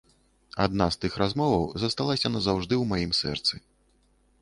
Адна з тых размоваў засталася назаўжды ў маім сэрцы.